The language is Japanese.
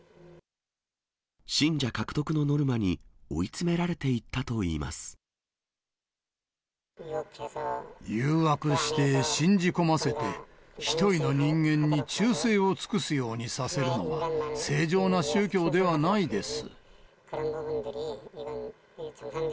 信者獲得のノルマに追い詰め誘惑して信じ込ませて、１人の人間に忠誠を尽くすようにさせるのは、正常な宗教ではないです。